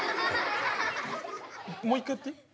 もう一回やっていい？